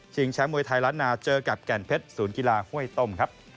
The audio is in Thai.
ชิงแชมป์มวยไทยลัทนาเจอกับแก่นเพชรศูนย์กีฬาห้วยต้ม